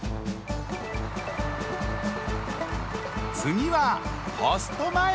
つぎはポストまえ！